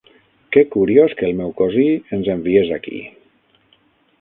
Que curiós que el meu cosí ens enviés aquí!